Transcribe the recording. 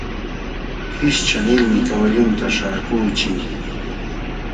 Hishcha nilmi kawallunta śhaakuuchin.